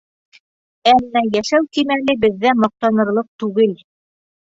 Әммә йәшәү кимәле беҙҙә маҡтанырлыҡ түгел.